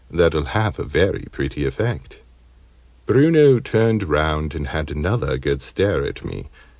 That'll have a very pretty effect." Bruno turned round and had another good stare at me.